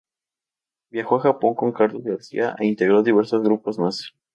Viajó a Japón con Carlos García e integró diversos grupos más.